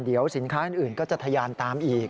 เดี๋ยวสินค้าอื่นก็จะทะยานตามอีก